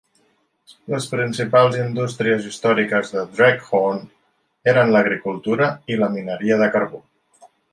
Les principals indústries històriques de Dreghorn eren l'agricultura i la mineria de carbó.